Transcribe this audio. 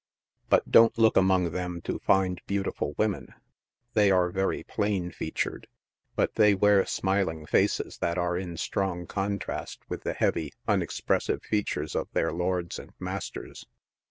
But don't look among them to find beautiful women — they are very plain featured, but they wear smiling faces that are in strong contrast wiih the heavy, uncxpressive features of their lords and masters.